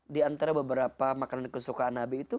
di antara beberapa makanan kesukaan nabi itu